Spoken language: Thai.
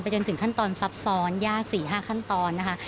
จนถึงขั้นตอนซับซ้อนยาก๔๕ขั้นตอนนะคะ